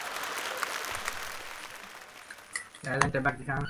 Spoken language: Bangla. মৃত কয়েদিদের হাজার হাজার ছবি বিশ্লেষণের ভিত্তিতে প্রতিবেদনটি তৈরি করা হয়।